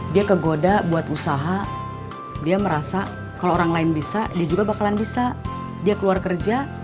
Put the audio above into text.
dia kegoda buat usaha dia merasa kalau orang lain bisa dia juga bakalan bisa dia keluar kerja